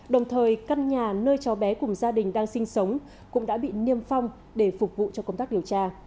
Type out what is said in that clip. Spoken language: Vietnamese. đồng thời căn nhà nơi cháu bé cùng gia đình đang sinh sống cũng đã bị niêm phong để phục vụ cho công tác điều tra